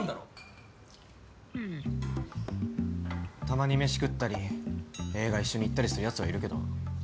たまに飯食ったり映画一緒に行ったりするやつはいるけど彼女はいねえよ。